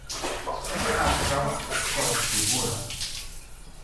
Ali ɣer tkeṛṛust tsekkreḍ-d tiwwura.